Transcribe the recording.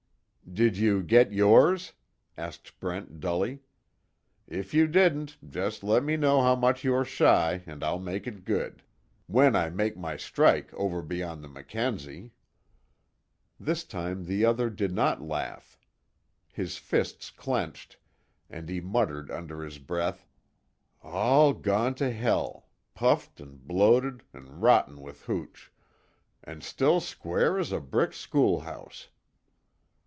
"Did you get yours?" asked Brent dully. "If you didn't, just let me know how much you are shy, and I'll make it good when I make my strike, over beyond the Mackenzie." This time the other did not laugh. His fists clenched, and he muttered under his breath: "All gone to hell puffed an' bloated, an' rotten with hooch an' still square as a brick school house!"